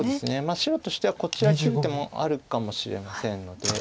白としてはこちら切る手もあるかもしれませんので。